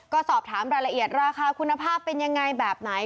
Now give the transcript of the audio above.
ก็สอบถามรายละเอียดราคาคุณภาพเป็นยังไงแบบไหน